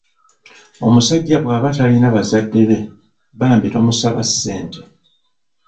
Omusajja bwaba talina bazadde be bambi tomusaba ssente.